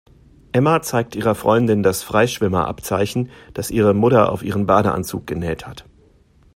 Emma zeigt ihrer Freundin das Freischwimmer-Abzeichen, das ihre Mutter auf ihren Badeanzug genäht hat.